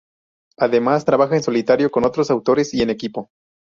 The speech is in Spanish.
Además, trabaja en solitario, con otros autores y en equipo.